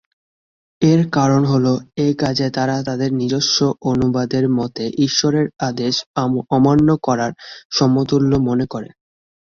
এর কারণ হল এ কাজে তারা তাদের নিজস্ব অনুবাদের মতে ঈশ্বরের আদেশ অমান্য করার সমতুল্য মনে করে।